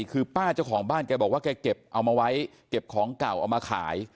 คือป้าเจ้าของบ้านแกบอกว่าแกเก็บเอามาไว้เก็บของเก่าเอามาขาย